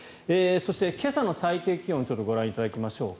そして、今朝の最低気温をちょっとご覧いただきましょう。